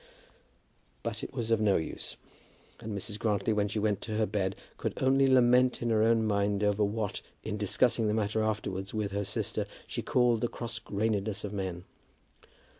But it was of no use. And Mrs. Grantly when she went to her bed could only lament in her own mind over what, in discussing the matter afterwards with her sister, she called the cross grainedness of men.